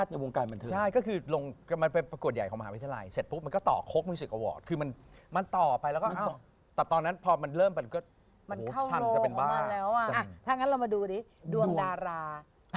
ถ้างั้นถึงเดี๋ยวมาดูดิดวงดารา